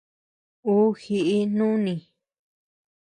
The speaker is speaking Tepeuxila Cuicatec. Ú jiʼi nùni.